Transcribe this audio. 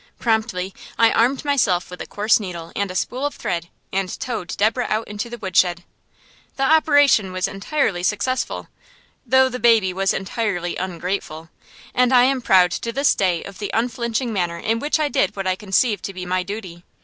Promptly I armed myself with a coarse needle and a spool of thread, and towed Deborah out into the woodshed. The operation was entirely successful, though the baby was entirely ungrateful. And I am proud to this day of the unflinching manner in which I did what I conceived to be my duty.